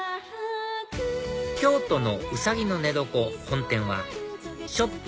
京都のウサギノネドコ本店はショップ